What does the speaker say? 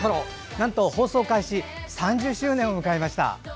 なんと放送開始３０周年を迎えました。